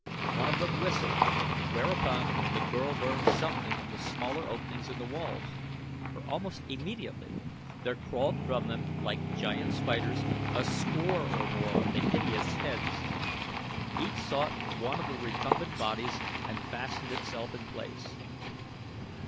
One of them whistled, whereupon the girl learned something of the smaller openings in the walls, for almost immediately there crawled from them, like giant spiders, a score or more of the hideous heads. Each sought one of the recumbent bodies and fastened itself in place.